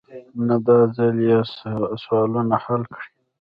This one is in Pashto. نه داځل يې سوالونه حل کړي.